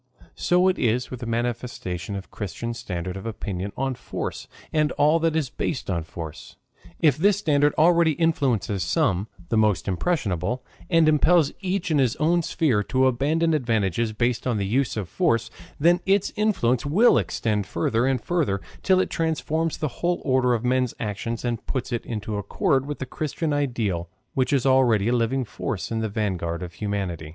So it is with the manifestation of the Christian standard of opinion on force and all that is based on force. If this standard already influences some, the most impressionable, and impels each in his own sphere to abandon advantages based on the use of force, then its influence will extend further and further till it transforms the whole order of men's actions and puts it into accord with the Christian ideal which is already a living force in the vanguard of humanity.